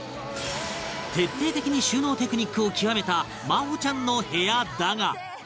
徹底的に収納テクニックを極めた麻帆ちゃんの部屋だが